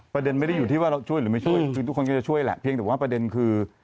ประเด็นไม่ได้อยู่ที่ว่าเราช่วยหรือไม่ช่วยคือทุกคนก็จะช่วยแหละเพียงแต่ว่าประเด็นคือ